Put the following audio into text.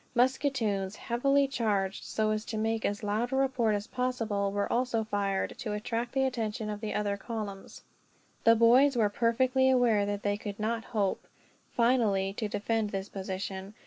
Musketoons, heavily charged so as to make as loud a report as possible, were also fired to attract the attention of the other columns. The boys were perfectly aware that they could not hope, finally, to defend this position.